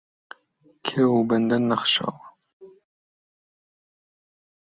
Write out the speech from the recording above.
کێو و بەندەن نەخشاوە